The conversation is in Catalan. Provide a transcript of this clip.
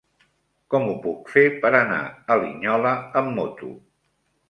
Com ho puc fer per anar a Linyola amb moto?